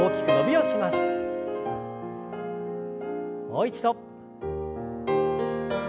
もう一度。